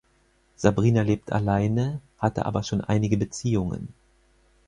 Sabrina lebt alleine, hatte aber schon einige Beziehungen.